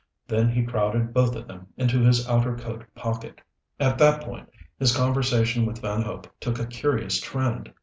Then he crowded both of them into his outer coat pocket. At that point his conversation with Van Hope took a curious trend.